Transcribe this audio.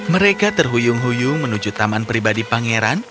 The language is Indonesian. mereka terhuyung huyung menuju taman pribadi pangeran